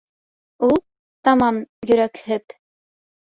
Ул, тамам йөрәкһеп: